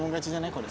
これ。